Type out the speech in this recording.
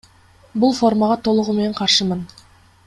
Бул формага толугу менен каршымын.